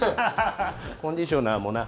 コンディショナーもな。